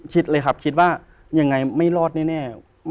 คิดเลยครับคิดว่ายังไงไม่รอดแน่